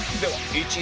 １位。